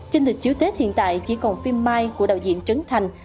trên lịch chiếu tết hiện tại chỉ còn phim mai của đạo diễn trấn thành